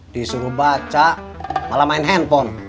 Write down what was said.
disuruh baca malah main handphone